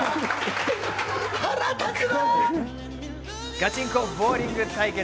ガチンコボウリング対決。